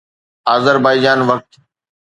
Azerbaijan وقت